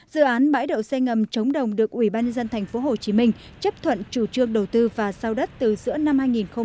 dự án bãi đậu say ngầm chống đồng được quỹ ban nhân dân tp hcm chấp thuận chủ trương đầu tư và sau đất từ giữa năm hai nghìn một mươi